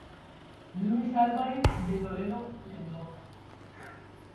Luis Álvarez de Toledo y Mendoza.